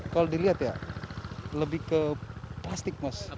kalau dilihat ya lebih ke plastik mas